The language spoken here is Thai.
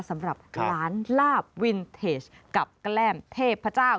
สำหรับหลานลาบวินเทจกับแกล้มเทพเจ้า